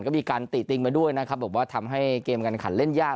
ก็มีการติติงมาด้วยนะครับบอกว่าทำให้เกมการขันเล่นยาก